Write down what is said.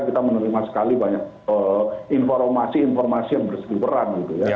banyak informasi informasi yang bersegur peran